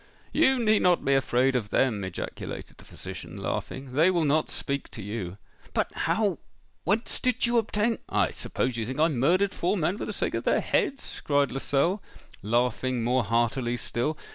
"You need not be afraid of them!" ejaculated the physician, laughing: "they will not speak to you." "But how—whence did you obtain——" "I suppose you think I murdered four men for the sake of their heads?" cried Lascelles, laughing more heartily still.